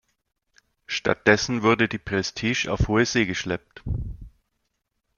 Stattdessen wurde die Prestige auf hohe See geschleppt.